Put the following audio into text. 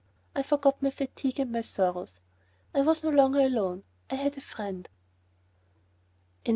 I forgot my fatigue and my sorrows. I was no longer alone. I had a friend.